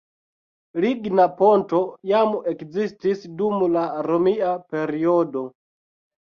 Ligna ponto jam ekzistis dum la romia periodo.